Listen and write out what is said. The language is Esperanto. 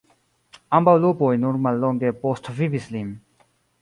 Ambaŭ lupoj nur mallonge postvivis lin.